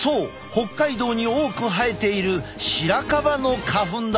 北海道に多く生えているシラカバの花粉だ！